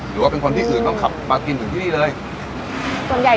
หรือว่าเป็นคนที่อื่นต้องมากินถึงที่นี่เลย